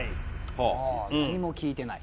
ああ「何も聞いてない」。